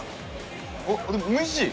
あっでも美味しい！